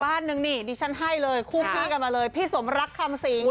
บ้านนึงนี่ดิฉันให้เลยคู่พี่กันมาเลยพี่สมรักคำสิง